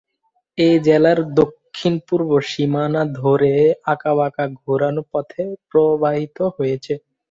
এটি জেলার দক্ষিণ-পূর্ব সীমানা ধরে আঁকাবাঁকা ঘোরানো পথে প্রবাহিত হয়েছে।